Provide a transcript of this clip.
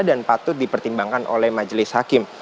dan patut dipertimbangkan oleh majelis hakim